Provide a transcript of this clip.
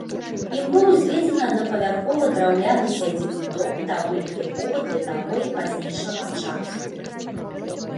Ім быў узведзены аднапавярховы драўляны сядзібны дом, даволі тыповы для таго і пазнейшага часу.